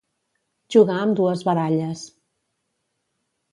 Jugar amb dues baralles.